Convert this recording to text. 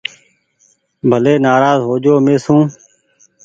ڀلي نآراز هو جو مين سون۔